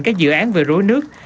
các dự án về rối nước